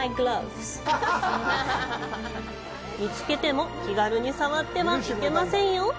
見つけても気軽に触ってはいけませんよ！